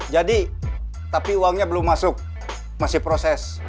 jadi tapi uangnya belum masuk masih proses